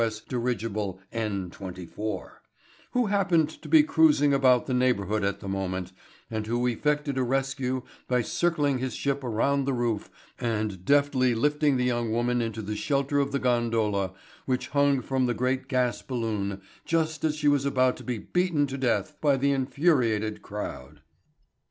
S. Dirigible N 24, who happened to be cruising about the neighborhood at the moment and who effected a rescue by circling his ship around the roof and deftly lifting the young woman into the shelter of the gondola which hung from the great gas balloon just as she was about to be beaten to death by the infuriated crowd.